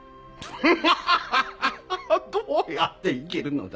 ハッハッハッどうやって生きるのだ？